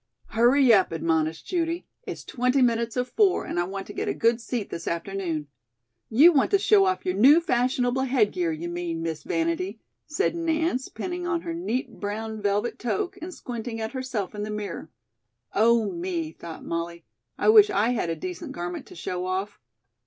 "Hurry up," admonished Judy; "it's twenty minutes of four and I want to get a good seat this afternoon." "You want to show off your new fashionable headgear, you mean, Miss Vanity," said Nance, pinning on her neat brown velvet toque and squinting at herself in the mirror. "Oh, me," thought Molly, "I wish I had a decent garment to show off."